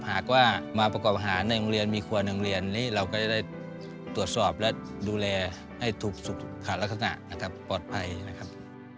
หากว่ามาประกอบอาหารในโรงเรียนมีครัวโรงเรียนนี้เราก็จะได้ตรวจสอบและดูแลให้ถูกสุขขาดลักษณะนะครับปลอดภัยนะครับ